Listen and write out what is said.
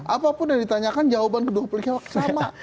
apapun yang ditanyakan jawaban kedua pihak sama